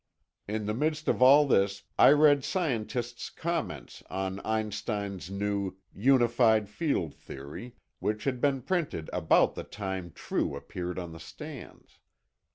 In the midst of all this, I read scientists' comments on Einstein's new unified field theory, which had been printed about the time True appeared on the stands.